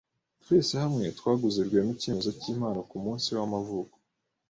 Twese hamwe twaguze Rwema icyemezo cyimpano kumunsi we w'amavuko.